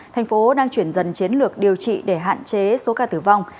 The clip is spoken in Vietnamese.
thành phố đang chuyển dần chiến lược điều trị để hạn chế số ca tử vong